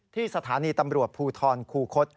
ที่สถานีตำรวจภูทรคูคศ